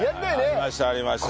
ありましたありました。